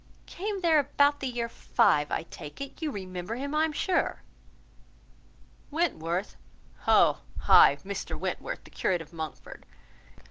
Came there about the year — 5, I take it. You remember him, I am sure." "Wentworth? Oh! ay,—Mr Wentworth, the curate of Monkford.